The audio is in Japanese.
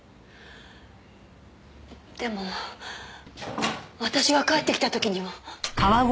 でも私が帰ってきた時には。